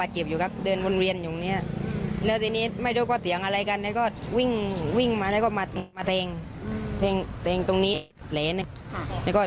แทงตรงนี้แล้วก็ส่วนอีกแพลนผมไม่แน่ใจว่าแทงตอนไหน